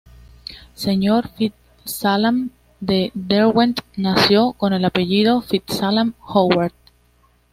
Señor Fitzalan de Derwent nació con el apellido "Fitzalan-Howard".